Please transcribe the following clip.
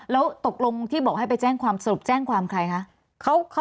แล้วตกลงที่บอกให้ไปแจ้งความสรุปแจ้งความใครคะ